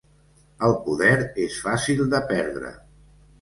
El poder és fàcil de perdre.